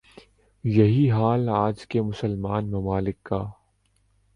یہی حال آج کے مسلمان ممالک کا